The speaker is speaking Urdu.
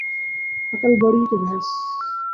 عقل بڑی کہ بھینس